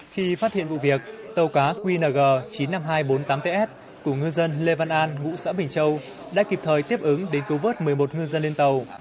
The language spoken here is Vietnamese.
khi phát hiện vụ việc tàu cá qng chín mươi năm nghìn hai trăm bốn mươi tám ts của ngư dân lê văn an ngụ xã bình châu đã kịp thời tiếp ứng đến cứu vớt một mươi một ngư dân lên tàu